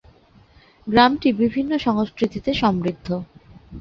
গ্রামটি বিভিন্ন সংস্কৃতিতে সমৃদ্ধ।